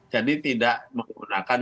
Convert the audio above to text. jadi tidak menggunakan